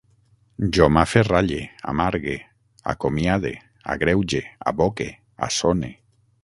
Jo m'aferralle, amargue, acomiade, agreuge, aboque, assone